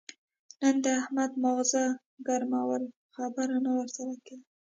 نن د احمد ماغزه ګرم ول؛ خبره نه ور سره کېده.